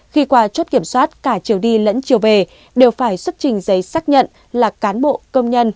khi qua chốt kiểm soát cả chiều đi lẫn chiều về đều phải xuất trình giấy xác nhận là cán bộ công nhân